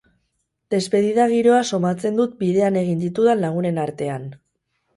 Despedida giroa somatzen dut bidean egin ditudan lagunen artean.